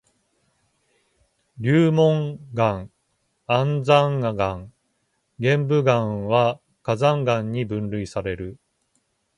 流紋岩、安山岩、玄武岩は火山岩に分類される。